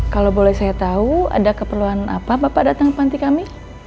kalau boleh saya tahu ada keperluan apa bapak datang ke panti kami